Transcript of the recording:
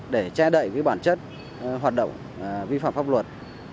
để che đậy với bản chất hoạt động vi phạm pháp luật